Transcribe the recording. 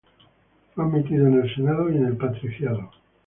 Fue admitido en el Senado y en el patriciado.